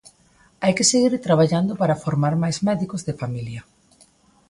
Hai que seguir traballando para formar máis médicos de familia.